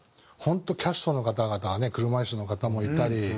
本当キャストの方々はね車椅子の方もいたり。